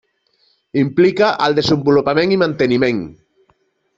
Implica al desenvolupament i manteniment.